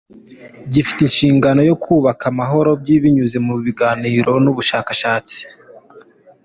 Gifite inshingano yo kubaka amahoro binyuze mu biganiro n’ubushakashatsi.